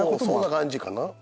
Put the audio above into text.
そうそんな感じかな。